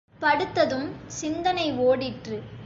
படுத்ததும் சிந்தனை ஒடிற்று.